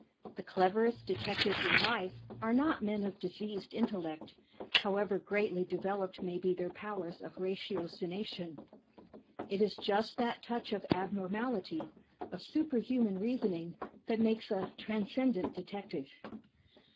The clever est detectives in life are not men of diseased intellect, how ever greatly developed may be their powers of ratiocination. 48 THE TECHNIQUE OF THE MYSTERY STORY It is just that touch of abnonnality, of superhuman reason ing, that makes a Transcendant Detective.